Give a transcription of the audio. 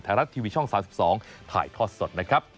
ไทยรัฐทีวีช่อง๓๒ถ่ายทอดสด